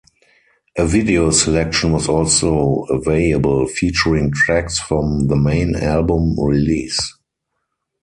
A video selection was also available featuring tracks from the main album release.